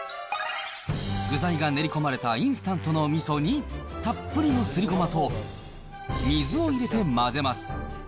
具材が練り込まれたインスタントのみそに、たっぷりのすりごまと水を入れて混ぜます。